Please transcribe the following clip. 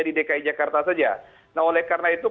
di dki jakarta saja nah oleh karena itu